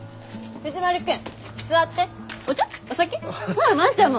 ほら万ちゃんも！